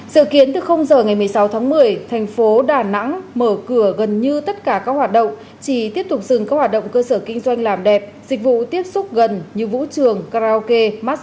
dự kiến từ giờ ngày một mươi sáu tháng một mươi thành phố đà nẵng mở cửa gần như tất cả các hoạt động chỉ tiếp tục dừng các hoạt động cơ sở kinh doanh làm đẹp dịch vụ tiếp xúc gần như vũ trường karaoke massag